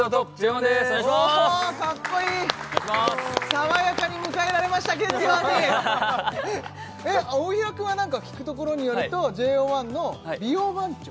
爽やかに迎えられました月曜日えっ大平くんは何か聞くところによるとＪＯ１の美容番長？